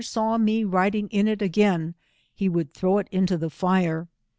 W xne writiog in it again, he would throw it into the fire.